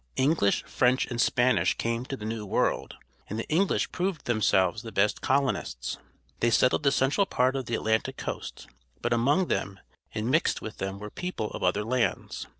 English, French, and Spanish came to the new world, and the English proved themselves the best colonists. They settled the central part of the Atlantic Coast, but among them and mixed with them were people of other lands.